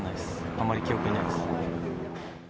あんまり記憶にないです。